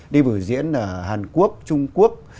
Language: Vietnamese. đi bửa diễn ở hàn quốc trung quốc